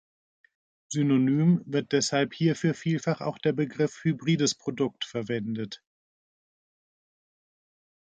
Synonym wird deshalb hierfür vielfach auch der Begriff "Hybrides Produkt" verwendet.